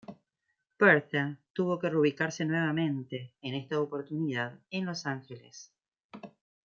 Bertha tuvo que reubicarse nuevamente, en esta oportunidad en Los Ángeles.